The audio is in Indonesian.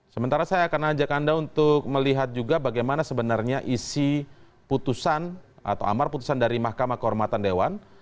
sementara saya akan ajak anda untuk melihat juga bagaimana sebenarnya isi putusan atau amar putusan dari mahkamah kehormatan dewan